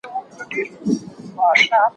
زه اوس د سبا لپاره د هنرونو تمرين کوم..